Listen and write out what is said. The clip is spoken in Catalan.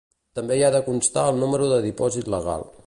També hi ha de constar el número de dipòsit legal.